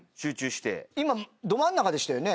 今ど真ん中でしたよね